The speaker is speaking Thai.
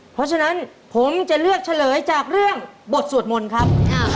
เพราะฉะนั้นผมจะเลือกเฉลยจากเรื่องบทสวดมนต์ครับ